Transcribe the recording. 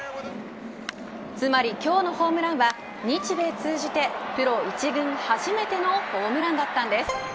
つまり今日のホームランは日米通じてプロ１軍初めてのホームランだったんです。